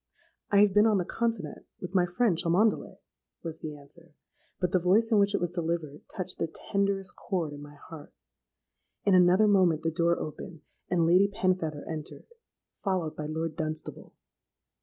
'—'I have been on the continent with my friend Cholmondeley,' was the answer: but the voice in which it was delivered touched the tenderest chord in my heart. In another moment the door opened, and Lady Penfeather entered, followed by Lord Dunstable.